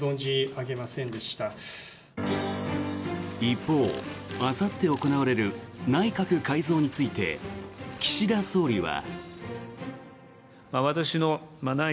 一方、あさって行われる内閣改造について岸田総理は。